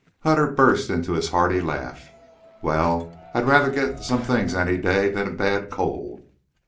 Hutter burst into his hearty laugh. "Wal, I'd rather get some things any day than a bad cold."